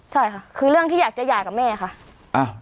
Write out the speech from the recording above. ใช่ค่ะคือเรื่องที่อยากจะหย่ากับแม่ค่ะ